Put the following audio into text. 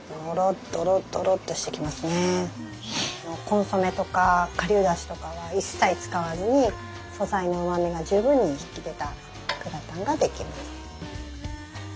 コンソメとか顆粒だしとかは一切使わずに素材のうまみが十分に引き出たグラタンが出来ます。